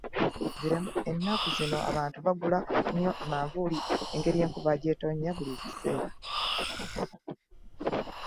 Ennaku zino abantu bagula nnyo manvuli engeri enkuba gy'etonya buli kaseera.